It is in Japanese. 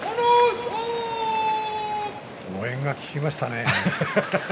応援が効きましたね。